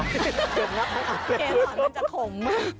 เกษตรอ่อนมันจะขม